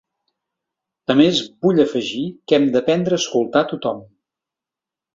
A més, vull afegir que hem d’aprendre a escoltar tothom.